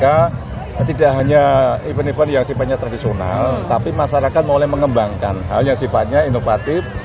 karena tidak hanya event event yang sifatnya tradisional tapi masyarakat mulai mengembangkan hal yang sifatnya inovatif